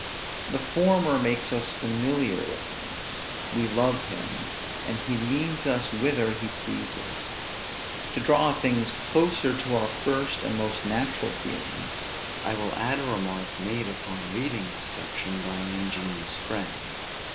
The former makes us familiar with him; we love him, and he leads us whither he pleases. To draw things closer to our first and most natural feelings, I will add a remark made upon reading this section by an ingenious friend.